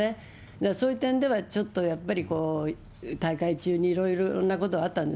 だからそういう点では、ちょっとやっぱり、大会中にいろいろなことあったんで。